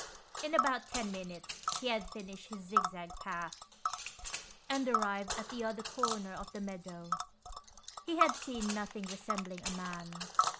In about ten minutes he had finished his zig zag path and arrived at the other corner of the meadow ; he had seen nothing resembling a man.